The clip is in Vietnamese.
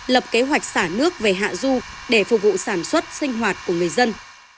lập kế hoạch xả nước về hạ du để phục vụ sản xuất sinh hoạt của người dân